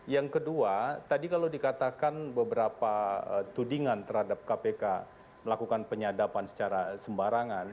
yang kedua tadi kalau dikatakan beberapa tudingan terhadap kpk melakukan penyadapan secara sembarangan